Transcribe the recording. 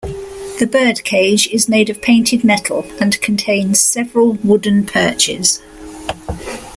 The birdcage is made of painted metal and contains several wooden perches.